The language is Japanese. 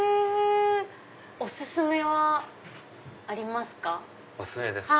お薦めはありますか？